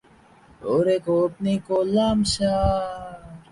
এঁদের শ্রম মূলত কায়িক।